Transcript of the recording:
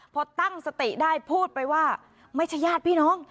พอตั้งสติได้พูดไปว่าไม่ใช่ญาติพี่น้อง